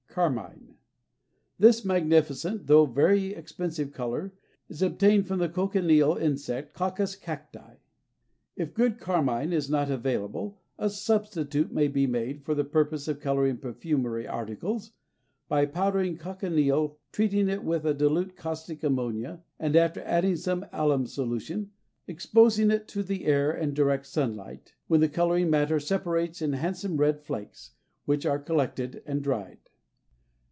Carmine. This magnificent, though very expensive color is obtained from the cochineal insect, Coccus cacti. If good carmine is not available, a substitute may be made, for the purpose of coloring perfumery articles, by powdering cochineal, treating it with dilute caustic ammonia, and, after adding some alum solution, exposing it to the air and direct sunlight, when the coloring matter separates in handsome red flakes, which are collected and dried.